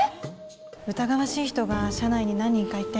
疑わしい人が社内に何人かいて。